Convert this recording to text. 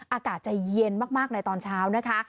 อากาศจะเย็นมากในตอนเช้านะคะ